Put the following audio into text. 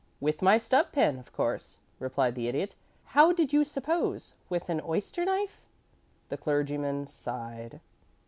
"With my stub pen, of course," replied the Idiot. "How did you suppose with an oyster knife?" The clergyman sighed.